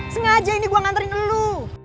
sengaja ini gue nganterin ngelu